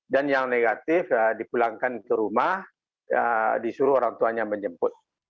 dan yang negatif dipulangkan ke rumah disuruh orang tuanya menjemput